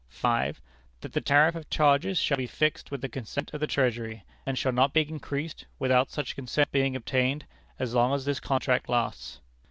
"5. That the tariff of charges shall be fixed with the consent of the Treasury, and shall not be increased, without such consent being obtained, as long as this contract lasts.